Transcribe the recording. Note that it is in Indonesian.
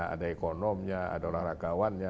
ada ekonomnya ada olahragawannya